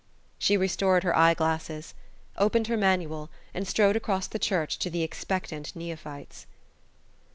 She restored her eye glasses, opened her manual, and strode across the church to the expectant neophytes.